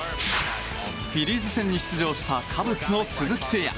フィリーズ戦に出場したカブスの鈴木誠也。